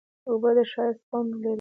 اوبه د ښایست خوند لري.